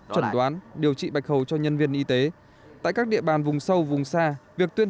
chuẩn đoán điều trị bạch hầu cho nhân viên y tế tại các địa bàn vùng sâu vùng xa việc tuyên